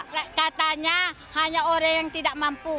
katanya hanya orang yang tidak mampu